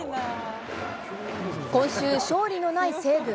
今週、勝利のない西武。